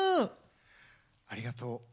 ありがとう。